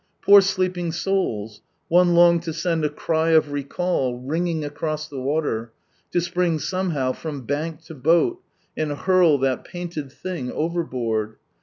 Poor slee|>ing souls— one longed lo send a cry of recall ringing across the water, lo spring somehow from bank to boat, and hurl that painted thing overboard!